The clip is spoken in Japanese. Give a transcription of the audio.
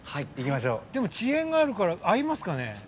でも遅延があるから合いますかね。